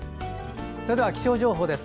それでは、気象情報です。